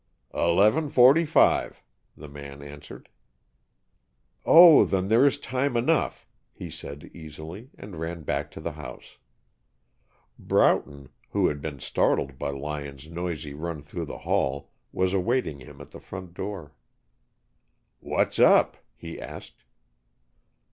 "Eleven forty five," the man answered. "Oh, then there is time enough," he said easily, and ran back to the house. Broughton, who had been startled by Lyon's noisy run through the hall, was awaiting him at the front door. "What's up?" he asked.